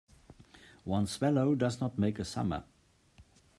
One swallow does not make a summer.